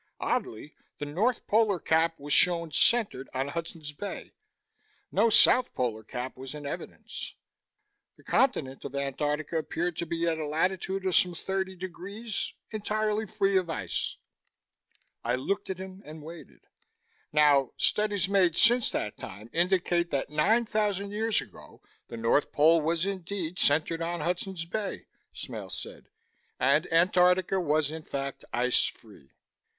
Oddly, the north polar cap was shown centered on Hudson's Bay. No south polar cap was in evidence. The continent of Antarctica appeared to be at a latitude of some 30 degrees, entirely free of ice." I looked at him and waited. "Now, studies made since that time indicate that nine thousand years ago, the North Pole was indeed centered on Hudson's Bay," Smale said. "And Antarctica was in fact ice free."